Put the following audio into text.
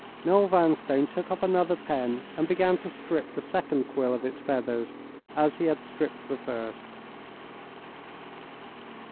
Noel Vanstone took up another pen and began to strip the second quill of its feathers as he had stripped the first.